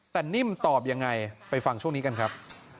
แต่นิ่มตอบยังไงไปฟังช่วงนี้กันครับ